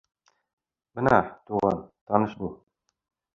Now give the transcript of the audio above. — Бына, туған, таныш бул.